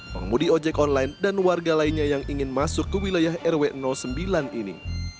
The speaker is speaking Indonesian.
pengemudi ojek online dan warga lainnya yang ingin masuk ke wilayah rw sembilan ini